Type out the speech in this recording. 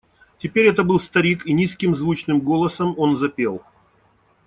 Теперь это был старик, и низким звучным голосом он запел: